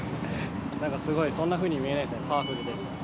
なんかすごい、そんなふうに見えないです、パワフルで。